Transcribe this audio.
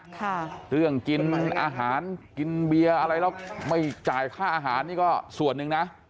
ค่ะเรื่องกินอาหารกินเบียร์อะไรแล้วไม่จ่ายค่าอาหารนี่ก็ส่วนหนึ่งนะ